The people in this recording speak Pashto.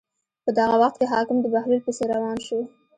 په دغه وخت کې حاکم د بهلول پسې روان شو.